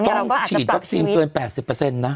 ต้องฉีดวัคซีนเกิน๘๐นะ